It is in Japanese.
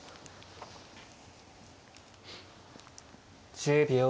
１０秒。